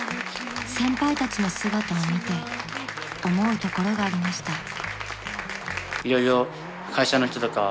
［先輩たちの姿を見て思うところがありました］